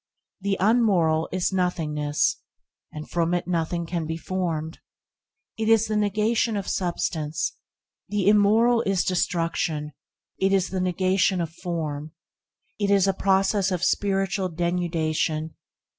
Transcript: The unmoral is nothingness, and from it nothing can be formed. It is the negation of substance. The immoral is destruction. It is the negation of form. It is a process of spiritual denudation.